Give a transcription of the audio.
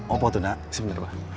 oh itu pak